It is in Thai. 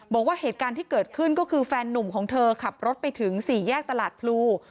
บอกว่าเหตุการณ์ที่เกิดขึ้นก็คือแฟนนุ่มของเธอขับรถไปถึงสี่แยกตลาดพลู